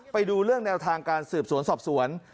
ไปดูเรื่องแนวทางการสืบสวนสอบสวน